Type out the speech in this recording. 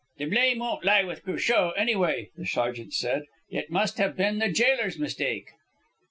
"The blame won't lie with Cruchot, anyway," the sergeant said. "It must have been the jailer's mistake."